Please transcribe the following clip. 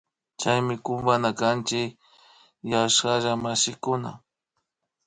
Chaymi kumpana kanchik yashalla mashikuna